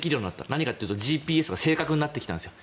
何かっていうと、ＧＰＳが正確になってきたんですよ。